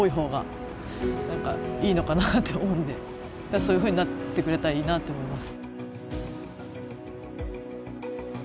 そういうふうになってくれたらいいなって思います。